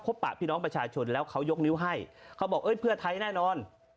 ปะพี่น้องประชาชนแล้วเขายกนิ้วให้เขาบอกเอ้ยเพื่อไทยแน่นอน